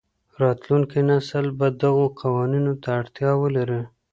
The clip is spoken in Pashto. راتلونکی نسل به دغو قوانینو ته اړتیا ولري.